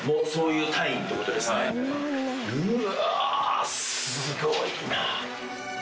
うわすごいな。